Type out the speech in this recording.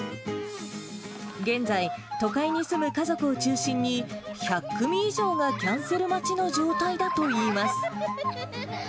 現在、都会に住む家族を中心に、１００組以上がキャンセル待ちの状態だといいます。